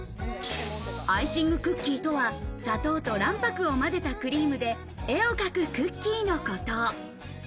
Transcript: アイシングクッキーとは、砂糖と卵白を混ぜたクリームで絵を描くクッキーのこと。